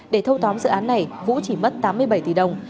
để thâu tóm dự án này vũ chỉ mất tám mươi bảy tỷ đồng